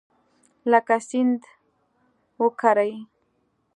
لکه سیند وکرې